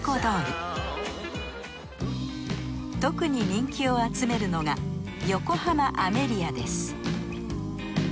特に人気を集めるのがヨコハマアメリアです